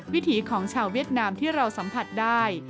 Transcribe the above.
วิถีของชาวเวียดนามที่เราสัมผัสได้